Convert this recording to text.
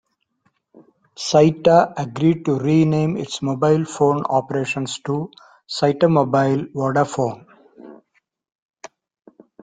Cyta agreed to rename its mobile phone operations to Cytamobile-Vodafone.